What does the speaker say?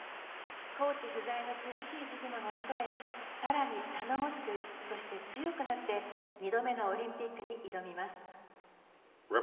コーチ不在の苦しい時期を乗り越え更に頼もしく、そして強くなって２度目のオリンピックに挑みます。